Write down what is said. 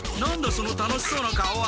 その楽しそうな顔は。